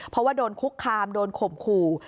เพราะว่าโดนคุกคามโดนข่มขู่